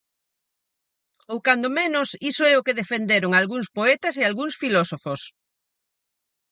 Ou cando menos iso é o que defenderon algúns poetas e algúns filósofos.